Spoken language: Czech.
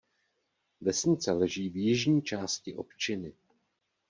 Vesnice leží v jižní části občiny.